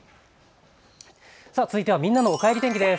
続いてはみんなのおかえり天気です。